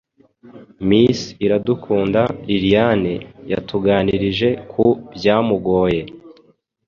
Miss Iradukunda Liliane yatuganirije ku byamugoye